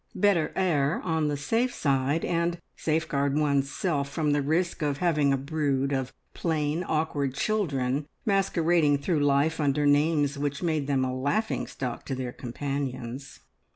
Better err on the safe side, and safeguard oneself from the risk of having a brood of plain, awkward children masquerading through life under names which made them a laughing stock to their companions.